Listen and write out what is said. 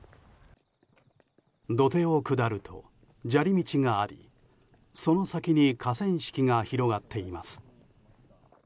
土手を下ると、砂利道がありその先に河川敷が広がっています。